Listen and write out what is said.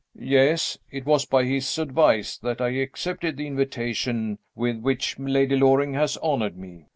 "Yes. It was by his advice that I accepted the invitation with which Lady Loring has honored me.